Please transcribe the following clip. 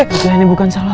enggak ini bukan salah lo